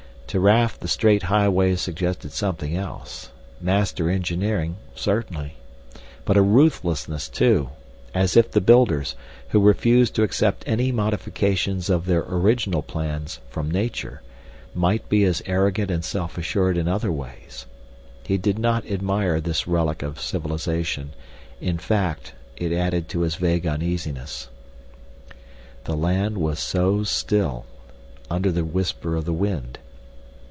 To Raf the straight highways suggested something else. Master engineering, certainly. But a ruthlessness too, as if the builders, who refused to accept any modifications of their original plans from nature, might be as arrogant and self assured in other ways. He did not admire this relic of civilization; in fact it added to his vague uneasiness. The land was so still, under the whisper of the wind.